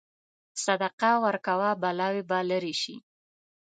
صدقه ورکوه، بلاوې به لرې شي.